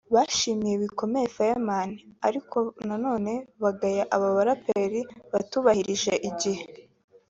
bashimiye bikomeye Fireman ariko nanone bagaya aba baraperi batubahirije igihe